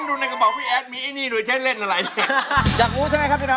เดี๋ยวคุณบ่าอันนี้น่าจะไม่ใช่พี่แอดคนเดียว